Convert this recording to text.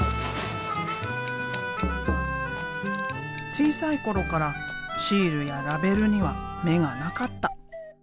小さい頃からシールやラベルには目がなかった。